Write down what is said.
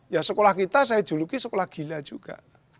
ya sekolah kita saya juluki sekolah gila juga